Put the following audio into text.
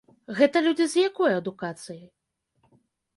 Гэта людзі з якой адукацыяй?